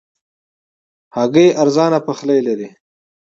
هګۍ ارزانه پخلی لري.